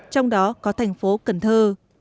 trong đó có thành phố cần thơ